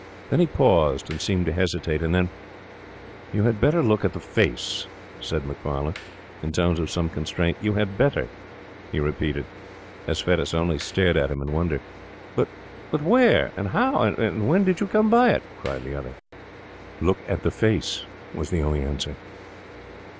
Then he paused and seemed to hesitate; and then, 'You had better look at the face,' said he, in tones of some constraint. 'You had better,' he repeated, as Fettes only stared at him in wonder. 'But where, and how, and when did you come by it?' cried the other. 'Look at the face,' was the only answer.